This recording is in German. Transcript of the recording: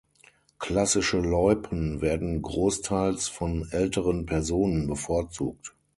Klassische Loipen werden großteils von älteren Personen bevorzugt.